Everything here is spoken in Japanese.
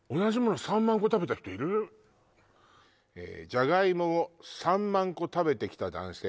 「じゃがいもを３万個食べてきた男性」